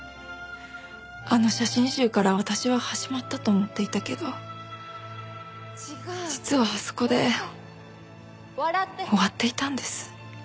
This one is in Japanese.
あの写真集から私は始まったと思っていたけど実はあそこで終わっていたんです。